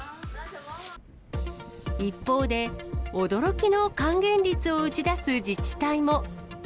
一方で、驚きの還元率を打ち出す自治体も。